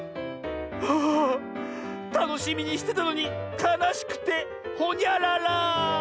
あたのしみにしてたのにかなしくてほにゃらら。